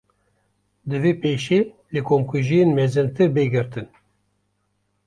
Divê pêşî li komkujiyên mezintir, bê girtin